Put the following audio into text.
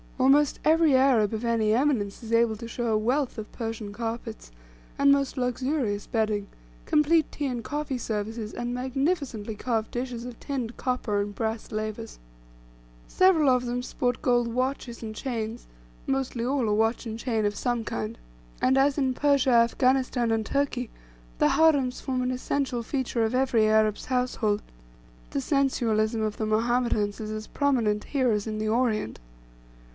Almost every Arab of any eminence is able to show a wealth of Persian carpets, and most luxurious bedding, complete tea and coffee services, and magnificently carved dishes of tinned copper and brass lavers. Several of them sport gold watches and chains, mostly all a watch and chain of some kind. And, as in Persia, Afghanistan, and Turkey, the harems form an essential feature of every Arab's household; the sensualism of the Mohammedans is as prominent here as in the Orient.